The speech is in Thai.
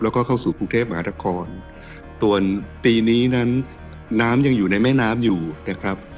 แล้วก็เข้าสู่กรุงเทพมหานครส่วนปีนี้นั้นน้ำยังอยู่ในแม่น้ำอยู่นะครับ